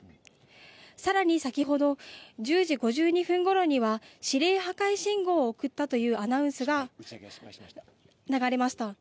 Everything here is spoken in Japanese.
さらに先ほど１０時５２分ごろには指令破壊信号を送ったというアナウンスが流れました。